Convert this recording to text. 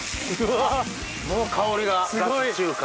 もう香りがガチ中華。